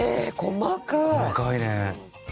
細かいね。